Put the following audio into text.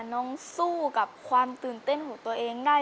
น้องสู้กับความตื่นเต้นของตัวเองได้